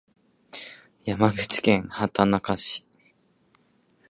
山口県畑中市